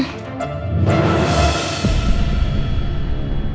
kalau mau ikut tipu mana aja